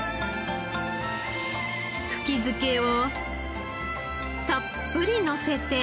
茎漬けをたっぷりのせて。